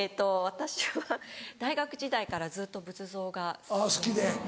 私は大学時代からずっと仏像が好きで。